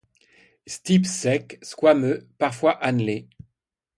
Stipe sec, squameux, parfois annelé.